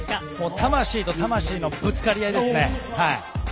魂と魂のぶつかり合いですね。